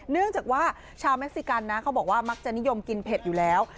เนื่องจากว่าชาวเม็กซิกันนะเขาบอกว่ามักจะนิยมกินเผ็ดอยู่แล้ว